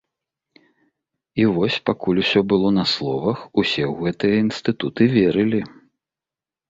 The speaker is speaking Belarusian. І вось, пакуль усё было на словах, усе ў гэтыя інстытуты верылі.